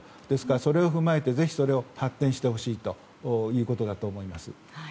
ですから、それを踏まえてぜひそれを発展してほしいということだと思います。